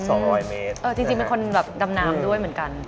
เออจริงเป็นคนดำนามด้วยเหมือนกัน